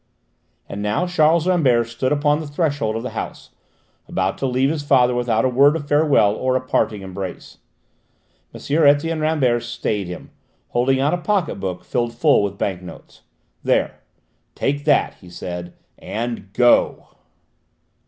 And now Charles Rambert stood upon the threshold of the house, about to leave his father without a word of farewell or parting embrace. M. Etienne Rambert stayed him, holding out a pocket book, filled full with bank notes. "There: take that," he said, "and go!"